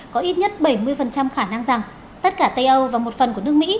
có ít nhất bảy mươi khả năng rằng tất cả tây âu và một phần của nước mỹ